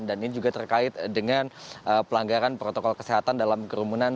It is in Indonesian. dan ini juga terkait dengan pelanggaran protokol kesehatan dalam kerumunan